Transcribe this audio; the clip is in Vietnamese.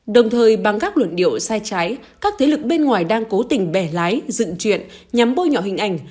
đồng thời bằng các luận điệu sai trái các thế lực bên ngoài đang cố tình bẻ lái dựng chuyện nhằm bôi nhọ hình ảnh